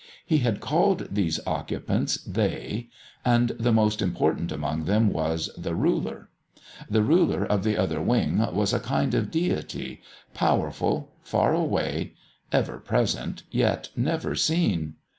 He had called these occupants "they," and the most important among them was "The Ruler." The Ruler of the Other Wing was a kind of deity, powerful, far away, ever present yet never seen.